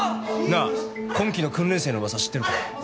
なあ今期の訓練生の噂知ってるか？